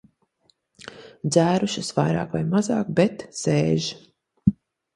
Dzērušas vairāk vai mazāk, bet sēž.